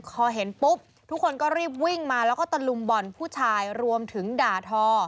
พอเห็นปุ๊บทุกคนก็รีบวิ่งมาแล้วก็ตะลุมบ่อนผู้ชายรวมถึงด่าทอ